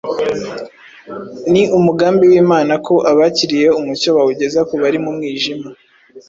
Ni umugambi w’Imana ko abakiriye umucyo bawugeza ku bari mu mwijima.